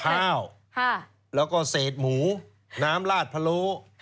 ข้าวแล้วก็เศษหมูน้ำลาดพะโล